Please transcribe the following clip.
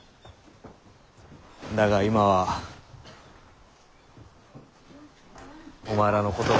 だが今はお前らのことが。